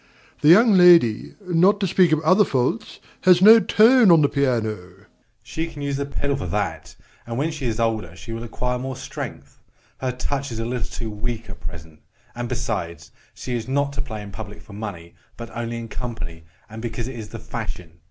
The young lady, not to speak of other faults, has no tone on the piano. MR. FEEBLE. She can use the pedal for that, and, when she is older, she will acquire more strength; her touch is a little too weak at present. And, besides, she is not to play in public for money, but only in company, and because it is the fashion.